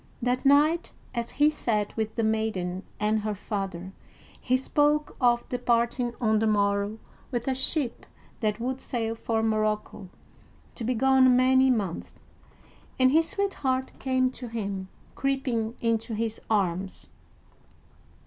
That night, as he sat with the maiden and her father, he spoke of departing on the morrow with a ship that would sail for Morocco to be gone many months, and his sweetheart came to him, creeping into his arms.